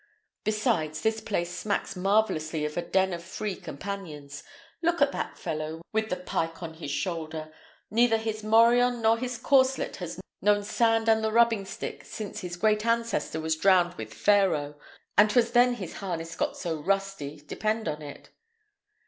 Besides, this place smacks marvellously of a den of free companions. Look at that fellow with the pike on his shoulder; neither his morion nor his corslet has known sand and the rubbing stick since his great ancestor was drowned with Pharaoh; and 'twas then his harness got so rusty, depend on it."